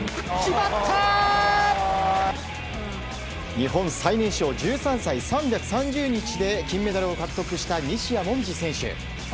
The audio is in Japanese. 日本最年少１３歳、３３０日で金メダルを獲得した西矢椛選手。